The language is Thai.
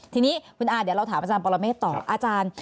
ทีนี้คุณอาเดี๋ยวเราถามอาจารย์ปรเมตรต่อ